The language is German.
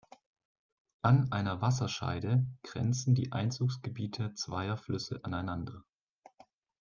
An einer Wasserscheide grenzen die Einzugsgebiete zweier Flüsse aneinander.